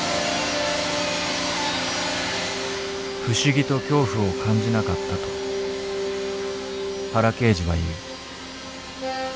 不思議と恐怖を感じなかったと原刑事は言う。